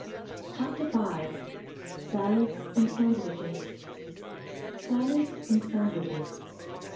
CHAPTER V. SALADS AND SANDWICHES. SALADS AND SANDWICHES.